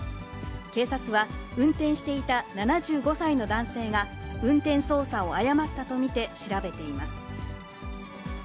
警察は、運転していた７５歳の男性が、運転操作を誤ったと見て調べています。